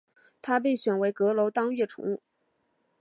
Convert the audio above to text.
他被选为阁楼当月宠物。